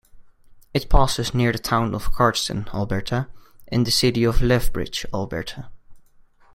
It passes near the town of Cardston, Alberta, and the city of Lethbridge, Alberta.